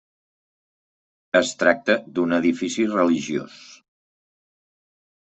Es tracta d'un edifici religiós.